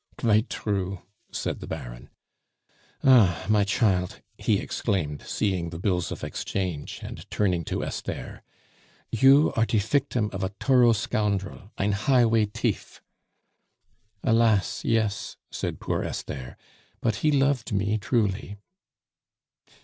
"Qvite true," said the baron. "Ah, my chilt," he exclaimed, seeing the bills of exchange, and turning to Esther, "you are de fictim of a torough scoundrel, ein highway tief!" "Alas, yes," said poor Esther; "but he loved me truly."